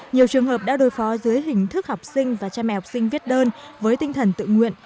nhiều trường hợp đã đối phó dưới hình thức học sinh và cha mẹ học sinh viết đơn với tinh thần tự nguyện